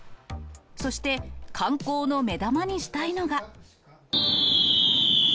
そして、観光の目玉にしたいのが。